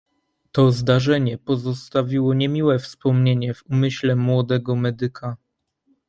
"To zdarzenie pozostawiło niemiłe wspomnienie w umyśle młodego medyka."